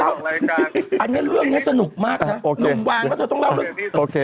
วันนี้เรื่องนี้สนุกมากนะหนุ่มวางแต่ต้องเล่าลูก